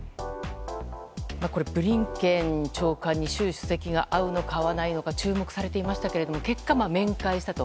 ブリンケン長官に習主席が会うのか会わないのか注目されていましたけれども結果、面会したと。